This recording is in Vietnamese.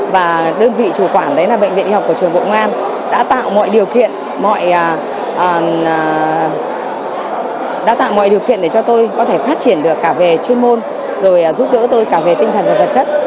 và đơn vị chủ quản đấy là bệnh viện y học của trường bộ công an đã tạo mọi điều kiện để cho tôi có thể phát triển được cả về chuyên môn rồi giúp đỡ tôi cả về tinh thần và vật chất